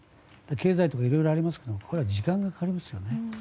経済とかいろいろありますがこれは時間がかかりますよね。